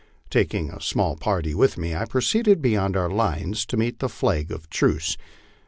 Tak ing a small party with me, I proceeded beyond our lines to meet the flag of truce.